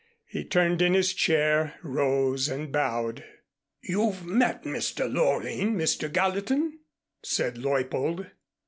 He turned in his chair rose and bowed. "You've met Mr. Loring, Mr. Gallatin?" said Leuppold.